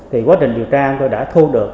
thì quá trình điều tra tôi đã thu được